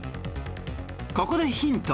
ここでヒント